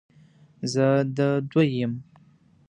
زه د دوی یم،